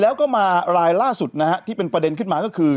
แล้วก็มารายล่าสุดนะฮะที่เป็นประเด็นขึ้นมาก็คือ